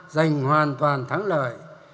dành hoàn toàn thắng lợi